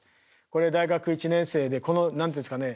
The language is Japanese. これ大学１年生でこの何て言うんですかね